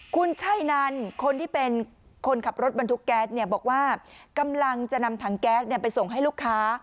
คุณใช่นันคนที่เป็นคนขับรถบรรทุกแก๊สเนี่ยบอกว่ากำลังจะนำถังแก๊สไปส่งให้ลูกค้า